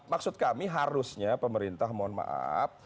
maksud kami harusnya pemerintah mohon maaf